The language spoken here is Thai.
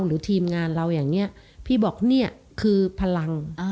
หรือทีมงานเราอย่างนี้พี่บอกนี่คือพลัง